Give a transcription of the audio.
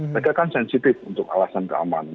mereka kan sensitif untuk alasan keamanan